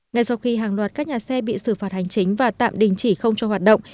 ngay sau khi hàng loạt các nhà xe bị xử phạt hành chính và tạm đình chỉ không cho hoạt động